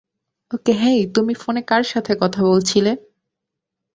ওকে hey, তুমি ফোনে কার সাথে কথা বলছিলে?